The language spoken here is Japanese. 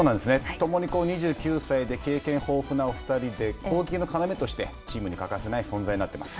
共に２９歳で経験豊富なお２人で攻撃の要としてチームに欠かせない存在になってます。